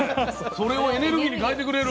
それをエネルギーに変えてくれる。